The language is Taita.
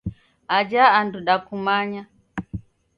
Aja andu dakumanya.